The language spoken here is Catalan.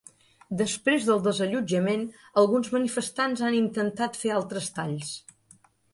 Després del desallotjament, alguns manifestants han intentat fer altres talls.